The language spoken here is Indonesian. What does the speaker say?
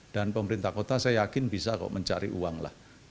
dan pemerintah kota saya yakin bisa mencari uang lah